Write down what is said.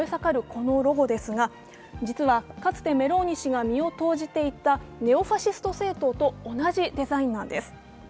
このロゴですが実はかつてメローニ氏が身を投じていたネオファシスト政党と同じデザインなんです。